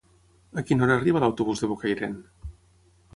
A quina hora arriba l'autobús de Bocairent?